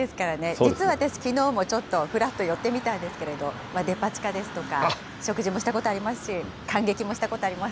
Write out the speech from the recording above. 実は私、きのうもちょっとふらっと寄ってみたんですけど、デパ地下ですとか、食事もしたこともありますし、観劇もしたことありま